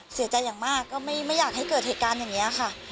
เสียใจอย่างมากก็ไม่อยากให้เกิดเหตุการณ์อย่างนี้ค่ะ